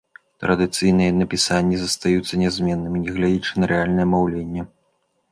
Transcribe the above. Традыцыйныя напісанні застаюцца нязменнымі, нягледзячы на рэальнае маўленне.